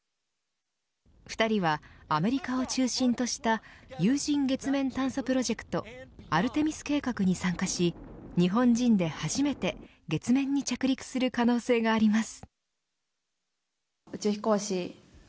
２人はアメリカを中心とした有人月面探査プロジェクトアルテミス計画に参加し日本人で初めて月面に着陸する可能性があります。